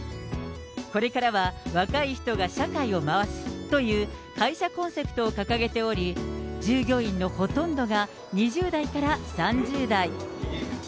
これからは若い人が社会を回すという会社コンセプトを掲げており、従業員のほとんどが２０代から３０代。